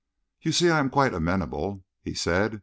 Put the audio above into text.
"You see, I am quite amenable," he said.